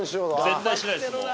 絶対しないですもう。